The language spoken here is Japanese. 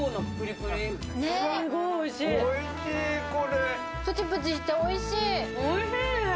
プチプチして、おいしい。